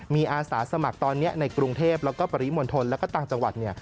มีอาสาสมัครตอนนี้ในกรุงเทพแล้วก็ปริมณฑลแล้วก็ต่างจังหวัด